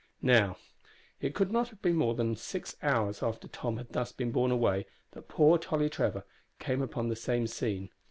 Now, it could not have been more than six hours after Tom had thus been borne away that poor Tolly Trevor came upon the same scene.